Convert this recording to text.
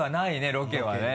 ロケはね。